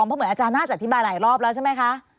เพราะเหมือนอาจารย์น่าจะอธิบายหลายรอบแล้วใช่ไหมคะ